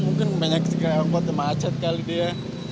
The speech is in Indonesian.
mungkin banyak yang kota macet kali dia